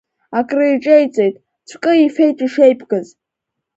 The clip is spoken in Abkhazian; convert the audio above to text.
Акриҿеиҵеит, цәкы ифеит ишеибгаз.